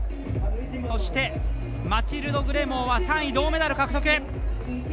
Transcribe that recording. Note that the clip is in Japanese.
そして、マチルド・グレモーは３位、銅メダル獲得。